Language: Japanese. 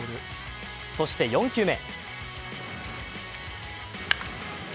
そして、４球目。